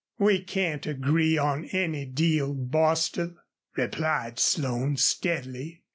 "We can't agree on any deal, Bostil," replied Slone, steadily.